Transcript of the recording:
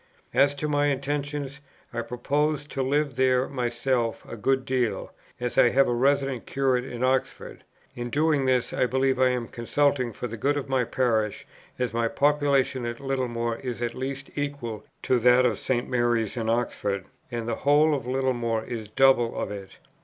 "As to my intentions, I purpose to live there myself a good deal, as I have a resident curate in Oxford. In doing this, I believe I am consulting for the good of my parish, as my population at Littlemore is at least equal to that of St. Mary's in Oxford, and the whole of Littlemore is double of it.